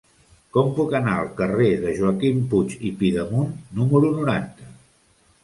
Com puc anar al carrer de Joaquim Puig i Pidemunt número noranta?